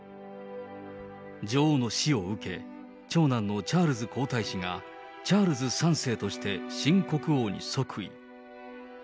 女王の死を受け、長男のチャールズ皇太子がチャールズ３世として新国王に即位。